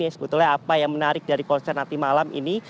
sebetulnya apa yang menarik dari konser nanti malam ini